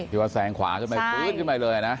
ว่าแซงขวาขึ้นไปฟื้นขึ้นไปเลยนะ